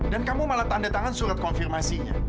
kamu malah tanda tangan surat konfirmasinya